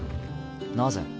なぜ？